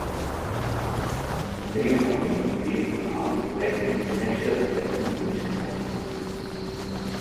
Das Museum behandelt das Leben der Armen, Mägde und Knechte, der unmündig Gehaltenen.